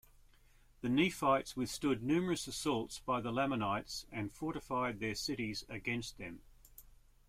The Nephites withstood numerous assaults by the Lamanites, and fortified their cities against them.